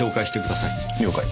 了解。